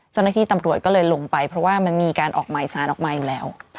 เจ้าหน้าที่ตำรวจก็เลยลงไปเพราะว่ามันมีการออกหมายสารออกมาอยู่แล้ว